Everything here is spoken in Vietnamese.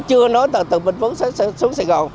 chưa nói từ bình phước xuống sài gòn